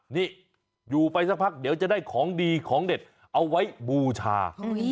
นี่อยู่ไปสักพักเดี๋ยวจะได้ของดีของเด็ดเอาไว้บูชา